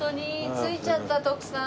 着いちゃった徳さん。